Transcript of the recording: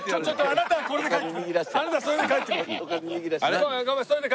あなたはそれで帰って。